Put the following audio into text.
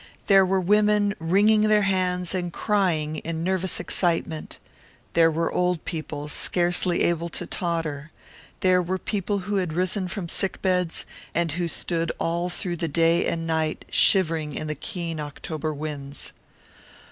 There were women wringing their hands and crying in nervous excitement; there were old people, scarcely able to totter; there were people who had risen from sick beds, and who stood all through the day and night, shivering in the keen October winds.